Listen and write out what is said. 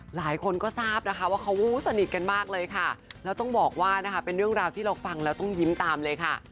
หลายคนก็ทราบนะคะว่าเขาสนิทกันมากเลยค่ะแล้วต้องบอกว่านะคะเป็นเรื่องราวที่เราฟังแล้วต้องยิ้มตามเลยค่ะ